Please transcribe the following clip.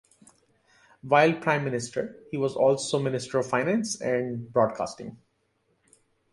While Prime Minister, he was also the Minister of Finance and Broadcasting.